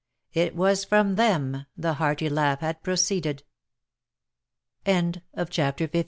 It was from them the hearty laugh had proceeded. CHAPTER XVI.